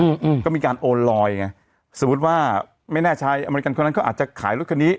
อืมก็มีการโอนลอยไงสมมุติว่าไม่แน่ใช้อเมริกันคนนั้นเขาอาจจะขายรถคันนี้